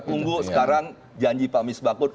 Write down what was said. tunggu sekarang janji pak mis bakut